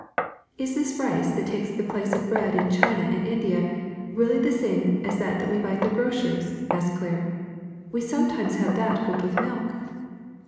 ^^Is this rice that takes the place of bread in China and India really the same as that we buy at the gro cer's?" asked Claire. ^^We sometimes have that cooked with milk."